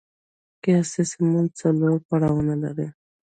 قیاسي سمون څلور پړاوونه لري.